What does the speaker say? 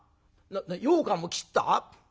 ようかんも切った？